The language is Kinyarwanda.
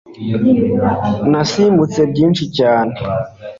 nasimbutse byinshi cyane